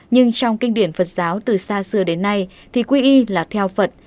nhưng trong kinh điển phật giáo từ xa xưa đến nay thì quy y là theo phật